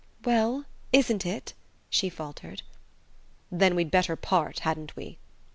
"Well isn't it," she faltered. "Then we'd better part, hadn't we?"